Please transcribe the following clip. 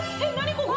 ここ！